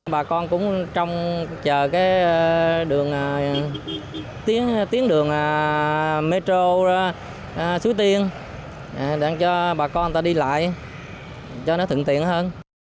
bà con cũng chờ tiến đường metro xuống tiên để cho bà con đi lại cho nó thượng tiện hơn